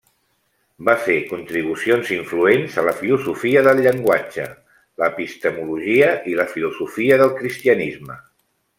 Va fer contribucions influents a la filosofia del llenguatge, l'epistemologia, i la filosofia del cristianisme.